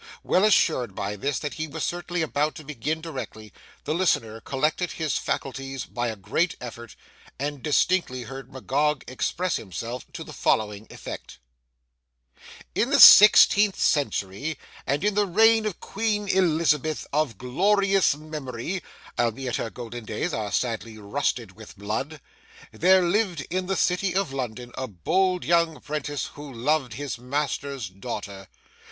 Well assured by this that he was certainly about to begin directly, the listener collected his faculties by a great effort, and distinctly heard Magog express himself to the following effect: In the sixteenth century and in the reign of Queen Elizabeth of glorious memory (albeit her golden days are sadly rusted with blood), there lived in the city of London a bold young 'prentice who loved his master's daughter.